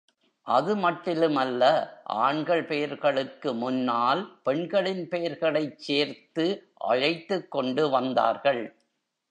அது மட்டிலுமல்ல, ஆண்கள் பெயர்களுக்கு முன்னால் பெண்களின் பெயர்களைச் சேர்த்து அழைத்துக்கொண்டு வந்தார்கள்.